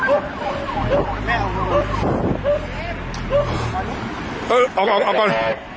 ออกออกออกออกก่อน